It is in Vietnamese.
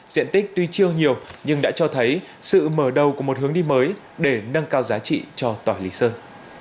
diện tích tuy chưa nhiều nhưng đã cho thấy sự mở đầu của một hướng đi mới để nâng cao giá trị cho tỏi lý sơn